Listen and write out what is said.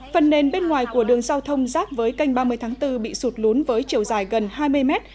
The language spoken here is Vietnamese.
phần nền bên ngoài của đường giao thông giáp với canh ba mươi tháng bốn bị sụt lún với chiều dài gần hai mươi mét